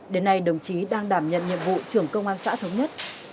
đến nay đồng chí đang đảm nhận nhiệm vụ trưởng công an xã thống nhất